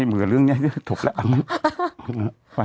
ปเหมือนเรื่องเนี้ยเตรียมหลัง